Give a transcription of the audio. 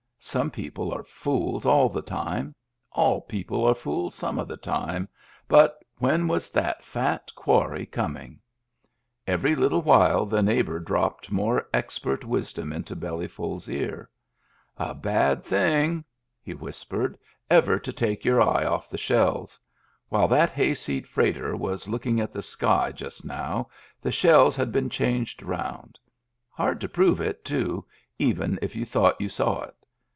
Some people are fools all the time, all people are fools some of the time — but when was the fat quarry coming ? Every little while the neighbor dropped more expert wisdom into Bellyful's ear. "A bad thing," he whispered, " ever to take your eye oflF the shells. While that hayseed freighter was looking at the sky, just now, the shells had been changed round. Hard to prove it, too, even if you thought you saw it.